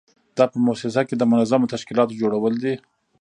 دا په موسسه کې د منظمو تشکیلاتو جوړول دي.